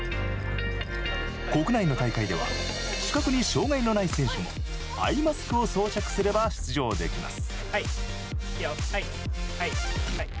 国内の大会では視覚に障害のない選手もアイマスクを装着すれば出場できます。